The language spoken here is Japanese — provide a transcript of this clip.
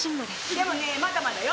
でもねまだまだよ。